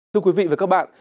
thưa quý vị và các bạn